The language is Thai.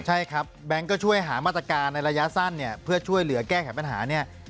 ใช่ครับแบงก์ก็ช่วยหามาตรการในระยะสั้นเพื่อช่วยเหลือแก้แผนหา